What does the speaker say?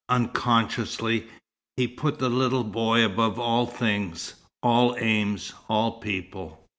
Unconsciously, he put the little boy above all things, all aims, all people.